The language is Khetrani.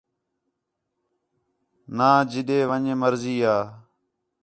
نان جدے ون٘ڄ مرضی یا